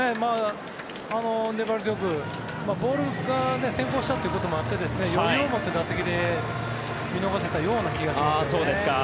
粘り強くねボールが先行したこともあって余裕を持って、打席で見逃せたような気がしますね。